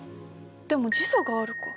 でも時差があるか。